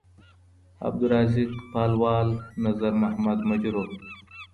عبدالرازق پالوال نظرمحمد مجروح